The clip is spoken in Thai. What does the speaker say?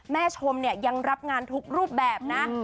แม่ชมเนี่ยยังรับงานทุกรูปแบบนะ